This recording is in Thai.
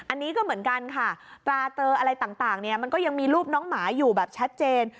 อันนี้ก็เหมือนกันค่ะตราเตออะไรต่างเนี่ยมันก็ยังมีรูปน้องหมาอยู่แบบชัดเจน